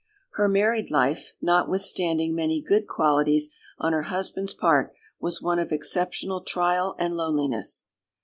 Her married life, notwithstanding many good qualities on her husband's part, was one of exceptional trial and loneliness.